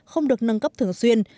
không được nâng cấp thường xuyên